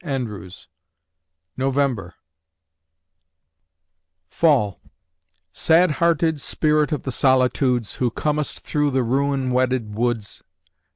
J. WILLIAM JONES November FALL Sad hearted Spirit of the solitudes, Who comest through the ruin wedded woods!